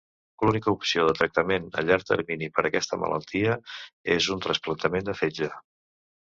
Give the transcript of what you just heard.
L'única opció de tractament a llarg termini per aquesta malaltia és un trasplantament de fetge.